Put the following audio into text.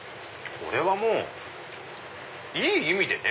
これはもういい意味でね。